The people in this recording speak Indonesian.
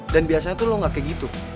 dan biasanya tuh lo gak kayak gitu